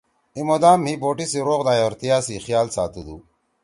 ای مُدام مھی بوٹی سی روغ نایورتیا سی خیال ساتُودُو“